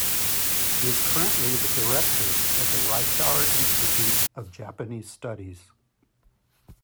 He is currently the Director of the Reischauer Institute of Japanese Studies.